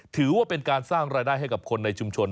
ถือว่าเป็นการสร้างรายได้ให้กับคนในชุมชน